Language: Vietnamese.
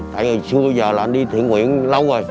tại vì xưa bây giờ là anh đi thiện nguyện lâu rồi